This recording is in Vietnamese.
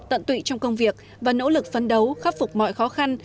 tận tụy trong công việc và nỗ lực phấn đấu khắc phục mọi khó khăn